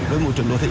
với môi trường đô thị